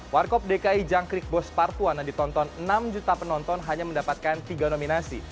warkop dki jangkrik bos partuan yang ditonton enam juta penonton hanya mendapatkan tiga nominasi